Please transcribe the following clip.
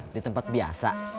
di tempat biasa